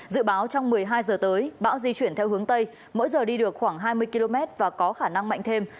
dự báo trong một mươi hai giờ tới bão di chuyển theo hướng tây mỗi giờ đi được khoảng hai mươi km và có khả năng mạnh thêm